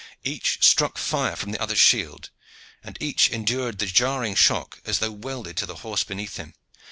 Each struck fire from the other's shield, and each endured the jarring shock as though welded to the horse beneath him.